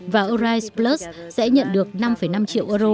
và orise plus sẽ nhận được năm năm triệu euro